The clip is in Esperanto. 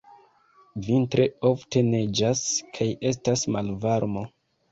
Vintre ofte neĝas kaj estas malvarmo.